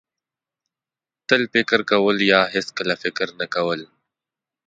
تل فکر کول یا هېڅکله فکر نه کول.